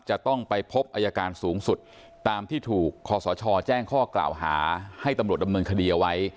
จะต้องไปพบอายการสูงสุดตามที่ถูกคอสชแจ้งข้อกล่าวหาให้ตำรวจดำเนินคดีเอาไว้